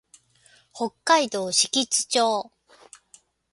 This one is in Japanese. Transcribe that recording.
北海道標津町